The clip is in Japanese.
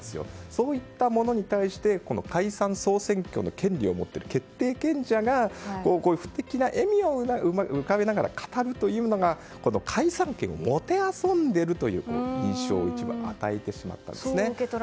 そういったものに対して解散・総選挙の権利を持つ決定権者が、不敵な笑みを浮かべながら語るというのが解散権をもてあそんでいるという印象を与えてしまったんですね。